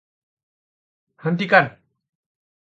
Hentikan!